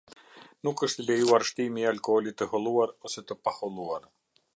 Nuk është i lejuar shtimi i alkoolit të holluar ose të pa holluar.